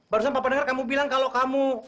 barusan papa dengar kamu bilang kalau kamu